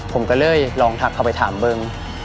ผมก็เลยลองทักเขาไปถามเบิ้ง